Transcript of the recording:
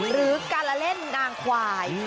หรือการละเล่นนางควาย